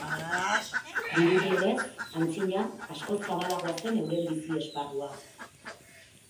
Dirudienez antzina askoz zabalagoa zen euren bizi-esparrua.